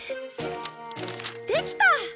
できた！